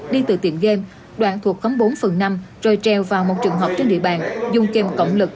đi từ tiệm game đoạn thuộc khống bốn phần năm rồi treo vào một trường hợp trên địa bàn dùng kèm cộng lực